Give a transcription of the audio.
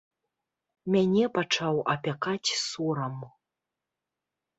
Мяне пачаў апякаць сорам.